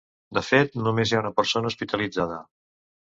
De fet, només hi ha una persona hospitalitzada.